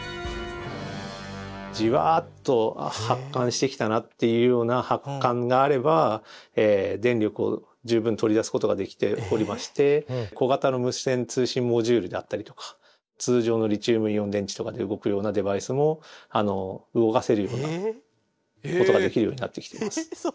じわっと発汗してきたなっていうような発汗があれば電力を十分取り出すことができておりまして小型の無線通信モジュールであったりとか通常のリチウムイオン電池とかで動くようなデバイスも動かせるようなことができるようになってきています。